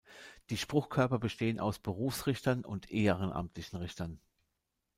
Die Spruchkörper bestehen aus Berufsrichtern und ehrenamtlichen Richtern.